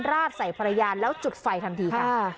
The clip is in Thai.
ราดใส่ภรรยาแล้วจุดไฟทันทีค่ะ